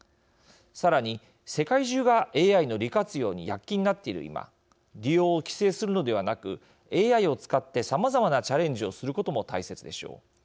さらに世界中がＡＩの利活用に躍起になっている今利用を規制するのではなくＡＩを使ってさまざまなチャレンジをすることも大切でしょう。